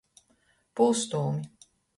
Pūstumi.